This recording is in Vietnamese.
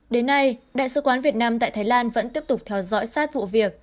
đến nay đại sứ quán việt nam tại thái lan vẫn tiếp tục theo dõi sát vụ việc